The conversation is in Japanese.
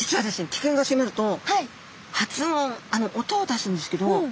危険が迫ると発音音を出すんですけど。